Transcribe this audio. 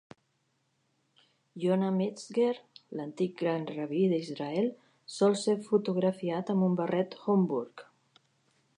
Yona Metzger, l'antic gran rabí d'Israel, sol ser fotografiat amb un barret Homburg.